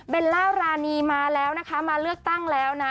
ล่ารานีมาแล้วนะคะมาเลือกตั้งแล้วนะ